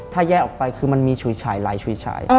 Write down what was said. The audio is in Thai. ถ้าแยะออกไปคือมันมีชุฆิฉายหลายชุฆิฉาย